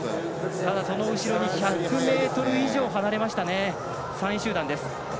ただ、その後ろ１００ｍ以上離れました、３位集団です。